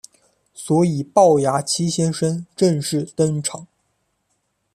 所以暴牙七先生正式登场。